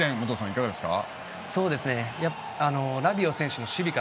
いかがですか？